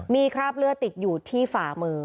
มีคราบเลือดติดอยู่ที่ฝ่ามือ